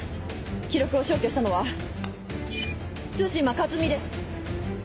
記録を消去したのは対馬勝見です！